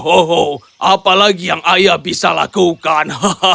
hohoho apalagi yang ayah bisa lakukan